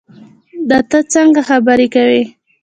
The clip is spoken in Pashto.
دا تۀ څنګه خبرې کوې